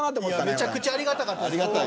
めちゃくちゃありがたかったです。